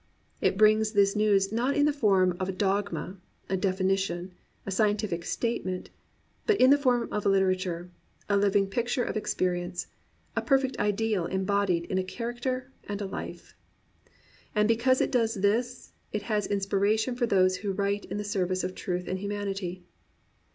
It brings this news not in the form of a dogma, a definition, a scientific statement, but in the form of Uterature, a Hving picture of experience, a perfect ideal embodied in a Character and a Life. And because it does this, it has inspiration for those who write in the service of truth and humanity.